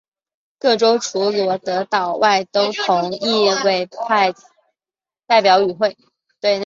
各州除罗德岛外都同意委派代表与会。